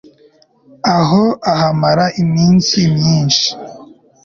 aho ahamara iminsi myinshi